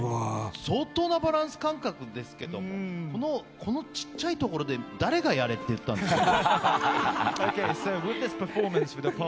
相当なバランス感覚ですけどこの小さいところで誰がやれって言ったんですか？